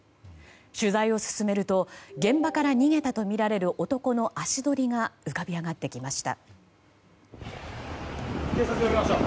取材を進めると現場から逃げたとみられる男の足取りが浮かび上がってきました。